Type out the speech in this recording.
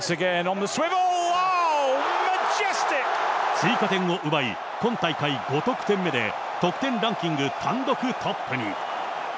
追加点を奪い、今大会５得点目で、得点ランキング単独トップに。